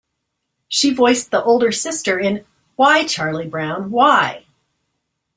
She voiced the older sister in "Why, Charlie Brown, Why?".